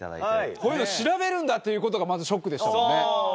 こういうの調べるんだという事がまずショックでしたもんね。